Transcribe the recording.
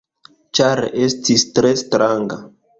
Ĉar estis tre stranga.